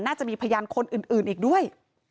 จะมีพยานคนอื่นอีกด้วย